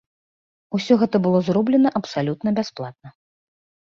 Усё гэта было зроблена абсалютна бясплатна.